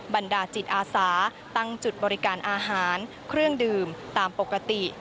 บรรดาจิตอาสาตั้งจุดบริการอาหารเครื่องดื่มตามปกติ